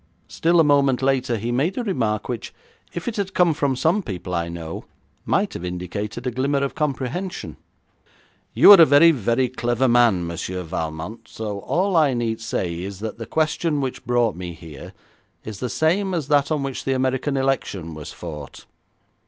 Still a moment later he made a remark which, if it had come from some people I know, might have indicated a glimmer of comprehension. 'You are a very, very clever man, Monsieur Valmont, so all I need say is that the question which brought me here is the same as that on which the American election was fought.